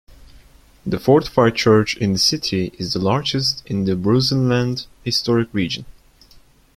The fortified church in the city is the largest in the Burzenland historic region.